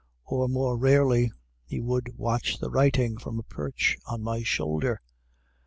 Or, more rarely, he would watch the writing from a perch on my shoulder.